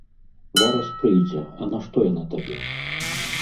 Зараз прыйдзе, а нашто яна табе?